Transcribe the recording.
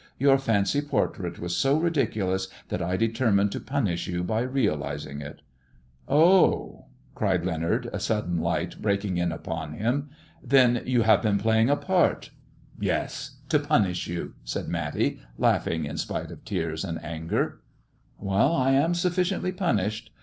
Your fancy portrait was so ridiculous that I ietermined to punish you by realizing it." " Oh !" cried Leonard, a sudden light breaking in upon lim. " Then you have been playing a part 1 "" Yes ! To punish you !" said Matty, laughing, in spite )f tears and anger. "I am sufficiently punished.